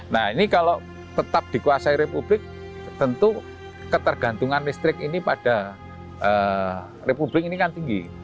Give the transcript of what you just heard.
nah ini kalau tetap dikuasai republik tentu ketergantungan listrik ini pada republik ini kan tinggi